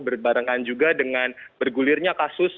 berbarengan juga dengan bergulirnya kasus